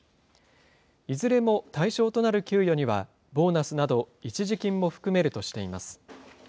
いずれも対象となる給与には、ボーナスなど、一時金も含めるとしています。